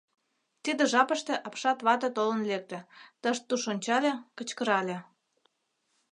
Тиде жапыште апшат вате толын лекте, тыш-туш ончале, кычкырале: